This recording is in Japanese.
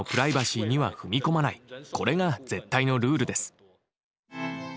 これが絶対のルールです。